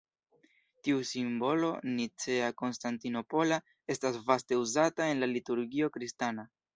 Tiu simbolo nicea-konstantinopola estas vaste uzata en la liturgio kristana.